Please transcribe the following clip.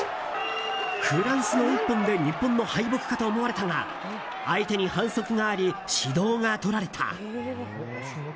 フランスの一本で日本の敗北かと思われたが相手に反則があり指導がとられた。